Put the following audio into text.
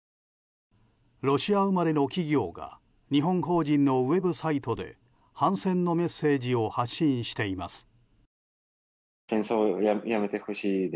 ロシア生まれの企業が日本法人のウェブサイトで反戦のメッセージを発信しています。